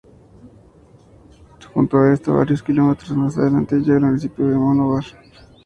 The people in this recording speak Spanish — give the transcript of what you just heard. Junto a esta, varios kilómetros más adelante llega al municipio de Monóvar.